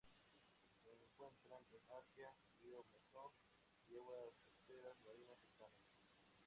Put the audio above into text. Se encuentran en Asia: río Mekong y aguas costeras marinas cercanas.